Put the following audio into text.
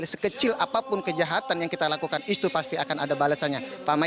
sekecil apapun kejahatan yang kita lakukan itu pasti akan ada balasannya